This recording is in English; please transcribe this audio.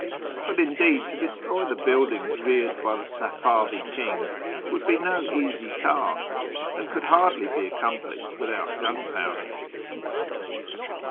But, indeed, to destroy the buildings reared by the Safavi kings w^ould be no easy task, and could hardly be accomplished without gunpowder.